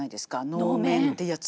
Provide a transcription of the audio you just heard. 能面っていうやつ。